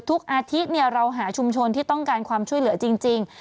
ทุกอาทิตย์เราหาชุมชนที่ต้องการความช่วยเหลือจริง